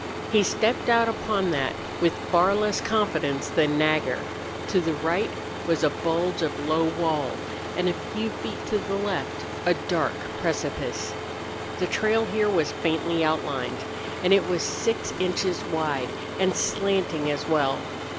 He stepped out upon that with far less confidence than Nagger. To the right was a bulge of low wall, and a few feet to the left a dark precipice. The trail here was faintly outlined, and it was six inches wide and slanting as well.